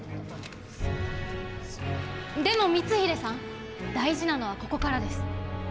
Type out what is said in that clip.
でも光秀さん大事なのはここからです。